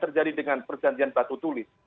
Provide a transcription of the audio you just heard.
terjadi dengan perjanjian batu tulis